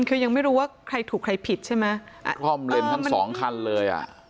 คือยังไม่รู้ว่าใครถูกใครผิดใช่ไหมอ่ะคล่อมเลนทั้งสองคันเลยอ่ะ